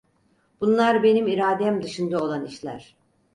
Bunlar benim iradem dışında olan işler.